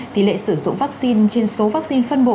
tỷ lệ sử dụng vaccine trên số vaccine phân bổ